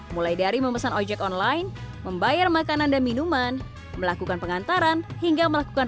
mulai dari memesan ojek online membayar makanan dan minuman melakukan pengantaran hingga melakukan